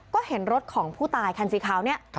ก็เห็นรถของผู้ตายคันสีขาวเนี่ย